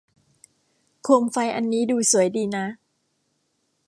โคมไฟอันนี้ดูสวยดีนะ